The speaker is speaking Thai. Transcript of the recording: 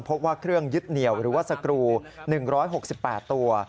พบว่าเครื่องยึดเหนียวหรือว่าสกรู๑๖๘ตัว